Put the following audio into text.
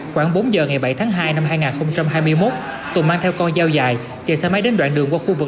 khoảng bốn giờ ngày bảy tháng hai năm hai nghìn hai mươi một tùng mang theo con dao dài chạy xe máy đến đoạn đường qua khu vực